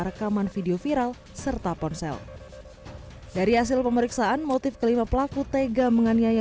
rekaman video viral serta ponsel dari hasil pemeriksaan motif kelima pelaku tega menganiaya